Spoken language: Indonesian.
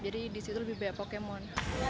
jadi di situ lebih banyak pokemon